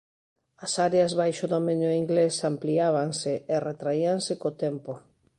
As áreas baixo dominio Inglés ampliábanse e retraíanse co tempo.